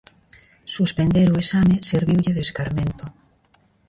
Suspender o exame serviulle de escarmento.